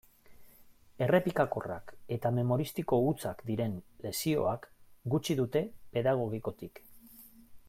Errepikakorrak eta memoristiko hutsak diren lezioak gutxi dute pedagogikotik.